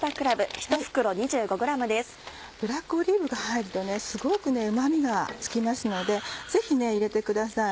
ブラックオリーブが入るとすごくうま味が付きますのでぜひ入れてください。